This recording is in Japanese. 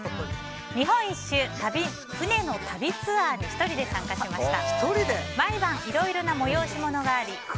日本一周船の旅ツアーに１人で参加しました。